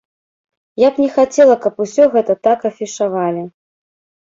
Я б не хацела, каб усё гэта так афішавалі.